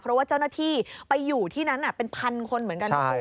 เพราะว่าเจ้าหน้าที่ไปอยู่ที่นั้นเป็นพันคนเหมือนกันนะคุณ